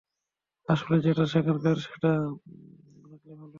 আসলে, যেটা যেখানকার সেটা সেখানে থাকলেই ভালো হয়!